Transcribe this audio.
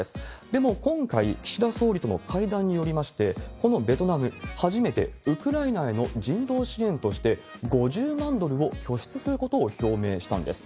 でも今回、岸田総理との会談によりまして、このベトナム、初めてウクライナへの人道支援として、５０万ドルを拠出することを表明したんです。